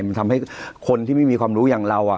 มันทำให้คนที่ไม่มีความรู้อย่างเรา